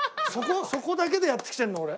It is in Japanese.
そこだけでやってきてるの俺。